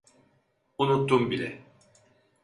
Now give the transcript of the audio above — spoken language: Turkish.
Unuttum bile.